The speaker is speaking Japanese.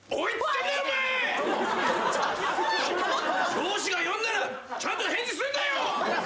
上司が呼んだらちゃんと返事するんだよ！